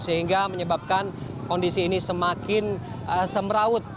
sehingga menyebabkan kondisi ini semakin semraut